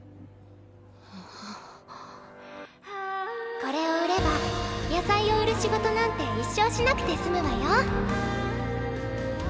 これを売れば野菜を売る仕事なんて一生しなくてすむわよ！